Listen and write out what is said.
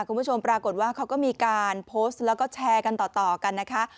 คุณผู้ชมปรากฏว่าเขาก็มีการโพสต์แล้วก็แชร์กันต่อกันนะคะ